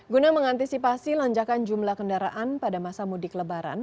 guna mengantisipasi lonjakan jumlah kendaraan pada masa mudik lebaran